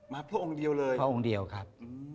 พระองค์เดียวเลยพระองค์เดียวครับ